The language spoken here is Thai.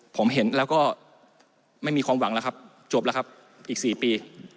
ผมเห็นแล้วก็ไม่มีความหวังแล้วครับจบแล้วครับอีก๔ปี